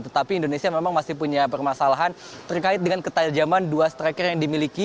tetapi indonesia memang masih punya permasalahan terkait dengan ketajaman dua striker yang dimiliki